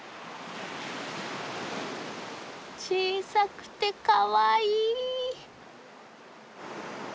小さくてかわいい。